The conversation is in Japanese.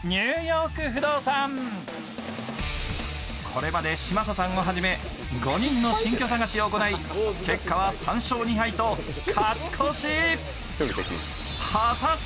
これまで嶋佐さんをはじめ５人の新居探しを行い結果は３勝２敗と勝ち越し。